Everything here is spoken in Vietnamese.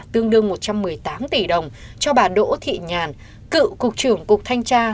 tương đương một trăm một mươi tám tỷ đồng cho bà đỗ thị nhàn cựu cục trưởng cục thanh tra